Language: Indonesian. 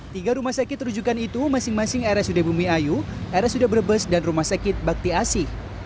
tiga rumah sakit terujukan itu masing masing rsud bumiayu rsud brebes dan rumah sakit bakti asih